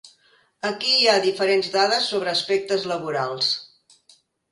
Aquí hi ha diferents dades sobre aspectes laborals.